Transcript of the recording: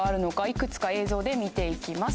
いくつか映像で見ていきます